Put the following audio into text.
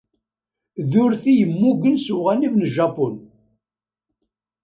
D urti yemmugen s uɣanib n Japun.